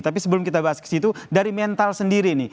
tapi sebelum kita bahas ke situ dari mental sendiri nih